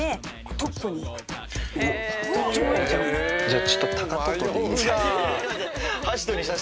じゃあちょっと。